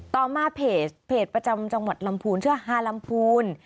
ต่อมาเพจประจำจังหวัดลำพูนชื่อฮาลำพูน